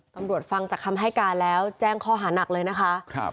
กำรวจฟังจากคำให้การแล้วแจ้งข้อหาหนักเลยนะคะครับ